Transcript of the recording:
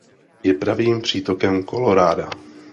Je pravým přítokem Colorada.